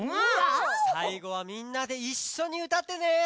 さいごはみんなでいっしょにうたってね！